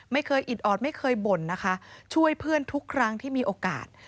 อิดออดไม่เคยบ่นนะคะช่วยเพื่อนทุกครั้งที่มีโอกาส